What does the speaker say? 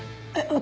私？